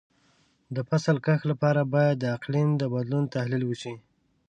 د فصل کښت لپاره باید د اقلیم د بدلون تحلیل وشي.